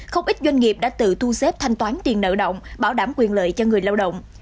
không ít doanh nghiệp đã tự thu xếp thanh toán tiền nợ động bảo đảm quyền lợi cho người lao động